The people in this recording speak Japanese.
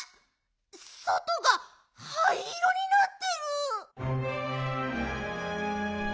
そとがはいいろになってる！